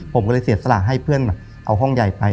ผมก็เลยเสียสละให้เพื่อนแบบเอาห้องใหญ่ไป